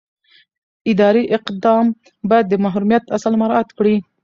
اداري اقدام باید د محرمیت اصل مراعات کړي.